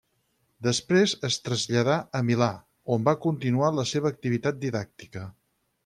Després es traslladà a Milà, on va continuar la seva activitat didàctica.